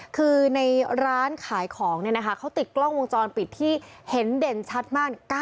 คือในร้านขายของเขาติดกล้องวงจรปิดที่เห็นเด่นชัดมาก